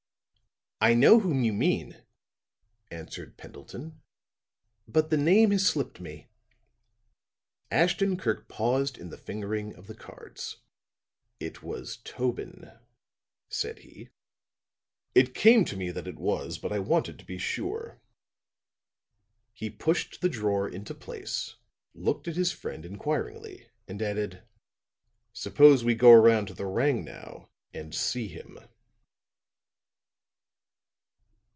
"I know whom you mean," answered Pendleton, "but the name has slipped me." Ashton Kirk paused in the fingering of the cards. "It was Tobin," said he. "It came to me that it was, but I wanted to be sure." He pushed the drawer into place, looked at his friend inquiringly, and added: "Suppose we go around to the 'Rangnow' and see him?"